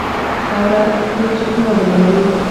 خاوره هېڅ څوک نه ردوي.